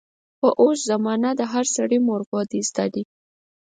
په اوس زمانه د هر سړي مورغودۍ زده دي.